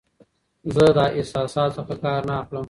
زه له احساساتو څخه کار نه اخلم.